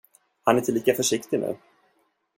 Han är inte lika försiktig nu.